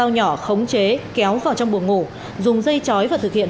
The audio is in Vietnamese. nhỏ khống chế kéo vào trong buồng ngủ dùng dây chói và thực hiện